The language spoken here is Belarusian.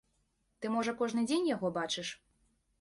Ты можа кожны дзень яго бачыш?